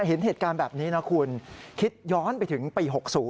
เห็นเหตุการณ์แบบนี้นะคุณคิดย้อนไปถึงปี๖๐